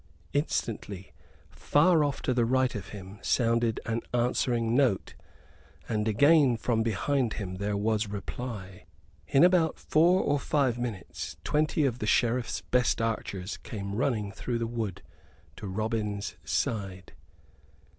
Instantly, far off to the right of him, sounded an answering note, and again from behind him there was reply. In about four or five minutes twenty of the Sheriff's best archers came running through the wood to Robin's side.